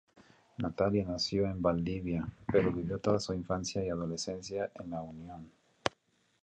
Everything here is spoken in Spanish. Natalia nació en Valdivia, pero vivió toda su infancia y adolescencia en La Unión.